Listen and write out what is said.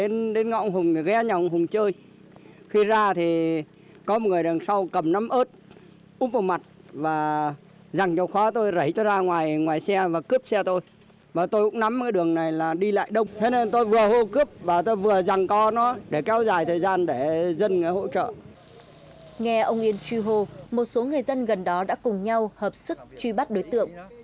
nghe ông yên truy hồ một số người dân gần đó đã cùng nhau hợp sức truy bắt đối tượng